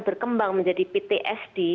berkembang menjadi ptsd